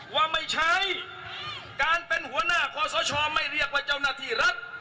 ว่าไม่ใช้การเป็นหัวหน้าคอสชไม่เรียกว่าเจ้าหน้าที่รัฐ